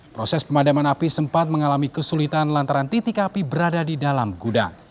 proses pemadaman api sempat mengalami kesulitan lantaran titik api berada di dalam gudang